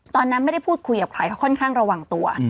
ตอนนั้นไม่ได้พูดคุยกับใครเขาค่อนข้างระวังตัว